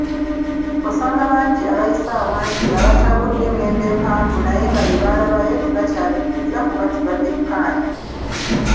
Osanga bangi abayise awangi, abatambudde engendo empanvu, naye nga bye baalabayo, tibakyabijjukira, kuba tibabyekkanya.